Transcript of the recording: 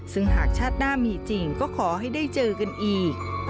ซึ่งหากชาติหน้ามีจริงก็ขอให้ได้เจอกันอีก